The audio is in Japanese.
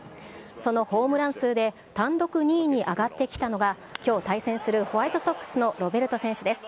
そのホームラン数で、単独２位に上がってきたのが、きょう対戦するホワイトソックスのロベルト選手です。